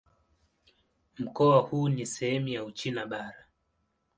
Mkoa huu ni sehemu ya Uchina Bara.